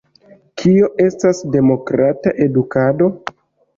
Kio estas Demokrata Edukado?